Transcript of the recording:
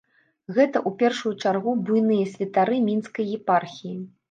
Гэта, у першую чаргу, буйныя святары мінскай епархіі.